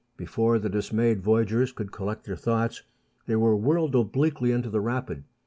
Before the dismayed voyagers could collect their thoughts, they were whirled obliquely into the rapid.